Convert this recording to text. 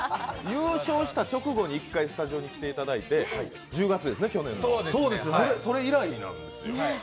優勝した直後に１回スタジオに来ていただいて、去年の１０月でしたね、それ以来なんですよ。